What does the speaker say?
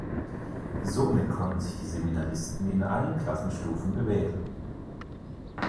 Somit konnten sich die Seminaristen in allen Klassenstufen bewähren.